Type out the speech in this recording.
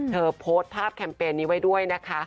โพสต์ภาพแคมเปญนี้ไว้ด้วยนะคะ